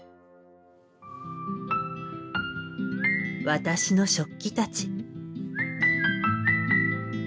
私の食器たち。